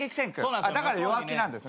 だから弱気なんですね。